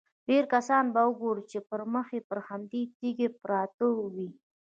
ډېری کسان به ګورې چې پړمخې پر همدې تیږې پراته وي.